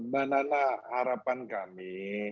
manalah harapan kami